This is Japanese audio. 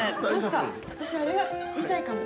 私あれが見たいかも。